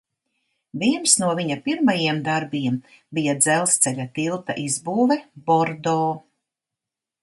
Viens no viņa pirmajiem darbiem bija dzelzceļa tilta izbūve Bordo.